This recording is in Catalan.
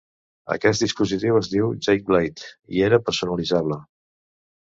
Aquest dispositiu es diu "Jake Blade" i era personalitzable.